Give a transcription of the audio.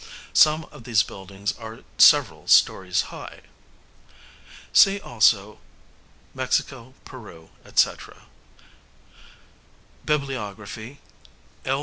Some of these buildings are several stories high. See also Mexico, Peru, &c. BIBLIOGRAPHY: L.